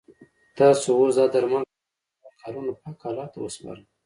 تاسو اوس دا درمل راوړئ نور کارونه پاک الله ته وسپاره.